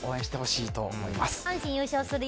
阪神優勝するよ。